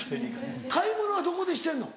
買い物はどこでしてんの？